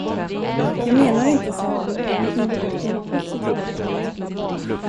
Ja jag menar inte, sade han, att ni begått några positiva brott.